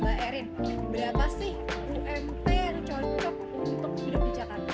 mbak erin berapa sih ump yang cocok untuk hidup di jakarta